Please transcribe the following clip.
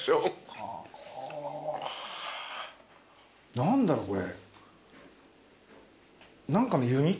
何だろこれ。